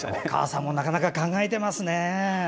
お母さんもなかなか考えていますね。